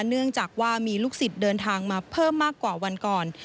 เนื่องจากว่ามีลูกศิษย์เดินทางมาเพิ่มมากกว่าวันก่อน